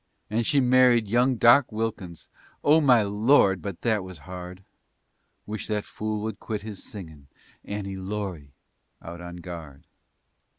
And she married young Doc Wilkins Oh my Lord! but that was hard! Wish that fool would quit his singin' "Annie Laurie" out on guard!